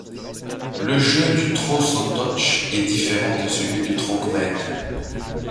Le jeu du Tro sau toch est différent de celui du Tro khmer.